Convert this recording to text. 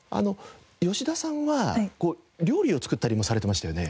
吉田さんは料理を作ったりもされてましたよね。